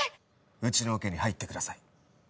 うちのオケに入ってください。